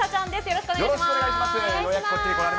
よろしくお願いします。